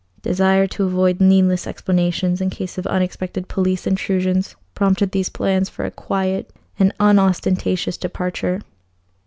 Desire to avoid needless explanations in case of unexpected police intrusions prompted these plans for a quiet and unostentatious departure.